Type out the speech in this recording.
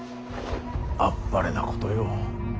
あっぱれなことよ。